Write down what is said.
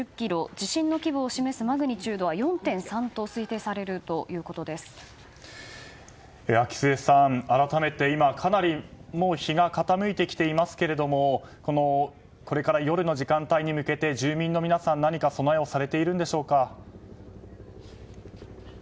地震の規模を示すマグニチュードは４．３と秋末さん、改めてかなり日が傾いてきていますがこれから、夜の時間帯に向けて住民の皆さん何か備えをされているんでしょうか。